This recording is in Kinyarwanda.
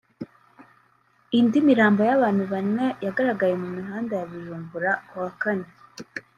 Indi mirambo y’abantu bane yagaragaye mu mihanda ya Bujumbura ku wa Kane